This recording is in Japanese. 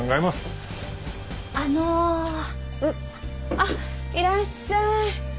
あっいらっしゃい。